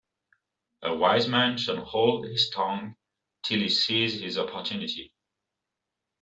A wise man shall hold his tongue till he sees his opportunity.